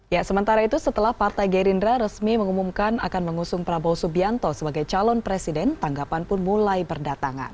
ya sementara itu setelah partai gerindra resmi mengumumkan akan mengusung prabowo subianto sebagai calon presiden tanggapan pun mulai berdatangan